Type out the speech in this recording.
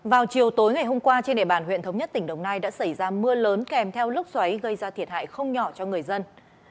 vào chiều tối ngày hôm qua trên địa bàn huyện thống nhất tỉnh đồng nai đã xảy ra mưa lớn kèm theo lốc xoáy gây ra thiệt hại không nhỏ cho người dân